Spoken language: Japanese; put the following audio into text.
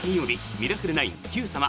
「ミラクル９」、「Ｑさま！！」